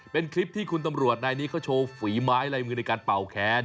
เป็นคลิปที่คุณตำรวจนายนี้เขาโชว์ฝีไม้ลายมือในการเป่าแค้น